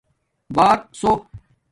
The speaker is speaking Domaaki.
بار سُوں